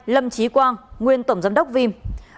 hai lâm trí quang nguyên tổng giám đốc vim